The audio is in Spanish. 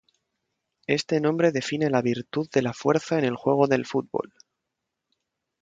Este nombre define la virtud de la fuerza en el juego del fútbol.